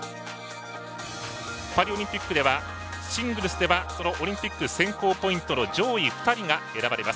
パリオリンピックではシングルスではオリンピック選考ポイントの上位２人が選ばれます。